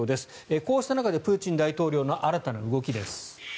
こうした中でプーチン大統領の新たな動きです。